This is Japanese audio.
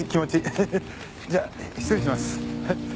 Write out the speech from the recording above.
ヘヘッじゃあ失礼します。